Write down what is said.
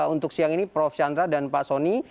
untuk siang ini prof chandra dan pak soni